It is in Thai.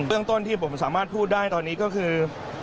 เรื่องต้นที่ผมสามารถพูดได้ตอนนี้ก็คือ